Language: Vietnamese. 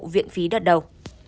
viện phí đợt đầu